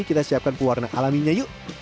kita siapkan pewarna alaminya yuk